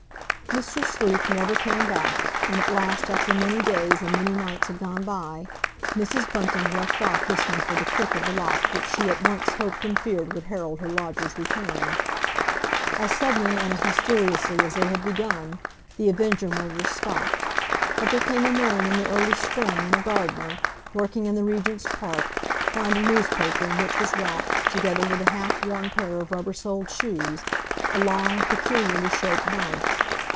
Mr. Sleuth never came back, and at last after many days and many nights had gone by, Mrs. Bunting left off listening for the click of the lock which she at once hoped and feared would herald her lodger's return. As suddenly and as mysteriously as they had begun the "Avenger" murders stopped, but there came a morning in the early spring when a gardener, working in the Regent's Park, found a newspaper in which was wrapped, together with a half worn pair of rubber soled shoes, a long, peculiarly shaped knife.